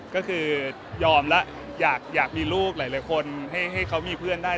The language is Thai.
ก็คือยอมแล้วอยากมีลูกหลายคนให้เขามีเพื่อนได้